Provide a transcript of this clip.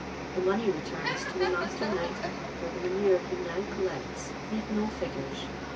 Tho money rotnrns to tho ma^ter ni'j:htman for tho manure he now collects noed no ii^nnvs.